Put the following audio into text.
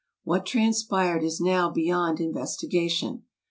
What transpired is now beyond in vestigation.